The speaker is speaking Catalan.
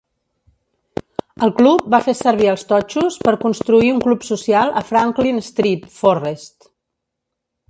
El club va fer servir els totxos per construir un club social a Franklin Street, Forrest.